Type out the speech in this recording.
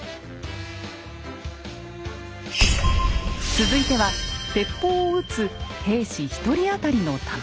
続いては鉄砲を撃つ兵士１人あたりの弾数。